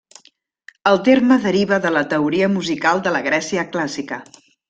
El terme deriva de la teoria musical de la Grècia clàssica.